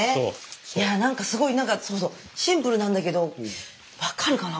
いやなんかすごいそうそうシンプルなんだけど分かるかな